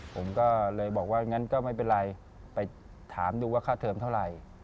ผมก็เลยบอกว่างั้นก็ไม่เป็นไรไปถามดูว่าค่าเทิมเท่าไหร่